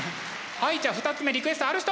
はいじゃあ２つ目リクエストある人？